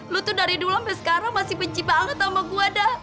lo tuh dari dulu sampe sekarang masih benci banget sama gue dah